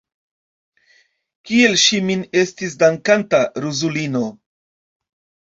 Kiel ŝi min estis dankanta, ruzulino!